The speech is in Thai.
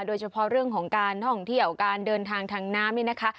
โดยเฉพาะเรื่องของการท่องเที่ยวการเดินทางทางน้ำนี่นะคะ